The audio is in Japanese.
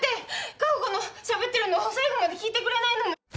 加穂子のしゃべってるのを最後まで聞いてくれないのも。